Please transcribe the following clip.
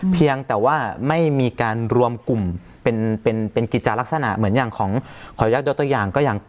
เพียงแต่ว่าไม่มีการรวมกลุ่มเป็นกิจจารักษณะเหมือนอย่างของขออนุญาตยกตัวอย่าง